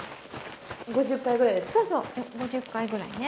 ５０回ぐらいでしたね。